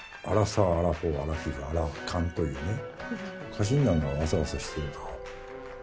家臣団がわさわさしていると。